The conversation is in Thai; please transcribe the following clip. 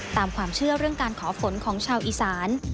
ตามความเชื่อเรื่องการขอฝนของชาวอีสาน